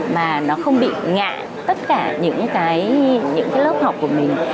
mà nó không bị ngạ tất cả những cái lớp học của mình